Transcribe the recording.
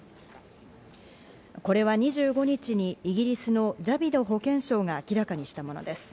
これは２５日にイギリスのジャビド保健相が明らかにしたものです。